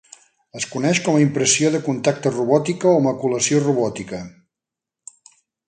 Es coneix com a impressió de contacte robòtica o maculació robòtica.